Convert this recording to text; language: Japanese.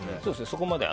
そこまで。